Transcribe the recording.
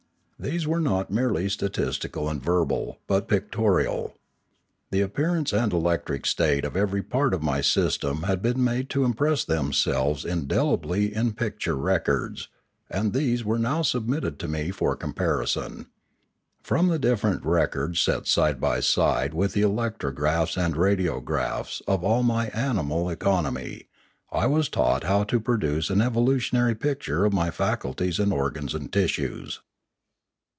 These were not merely statistical and verbal, but pictorial. The appearance and electric state of every part of my system had been made to impress them selves indelibly in picture records; and these were now submitted to me for comparison. From the dif ferent records set side by side with the electrographs and radiographs of all my animal economy, 1 was taught how to produce an evolutionary picture of my faculties and organs and tissues.